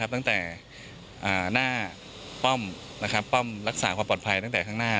ตั้งแต่หน้าป้อมป้อมรักษาความปลอดภัยตั้งแต่ข้างหน้า